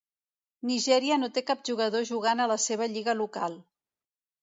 Nigèria no té cap jugador jugant a la seva lliga local.